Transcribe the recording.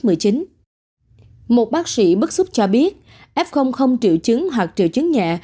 một bác sĩ bức xúc cho biết f không triệu chứng hoặc triệu chứng nhẹ